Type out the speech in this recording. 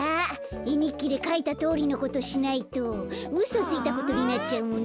えにっきでかいたとおりのことしないとうそついたことになっちゃうもんね。